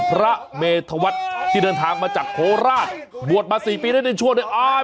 พระเมธวรรดิ์ทางทางมาจากโคราชบวชมาสี่ปีได้ได้ชั่วได้อ้ายยยยย